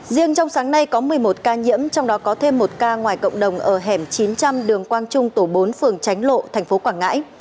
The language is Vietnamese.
riêng trong sáng nay có một mươi một ca nhiễm trong đó có thêm một ca ngoài cộng đồng ở hẻm chín trăm linh đường quang trung tổ bốn phường tránh lộ tp quảng ngãi